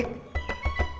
karena memang dia tau